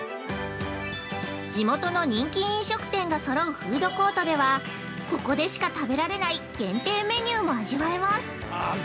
◆地元の人気飲食店が揃うフードコートでは、ここでしか食べられない限定メニューも味わえます。